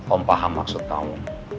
om paham maksud kamu